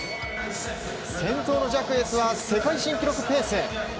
先頭のジャクエスは世界新記録ペース。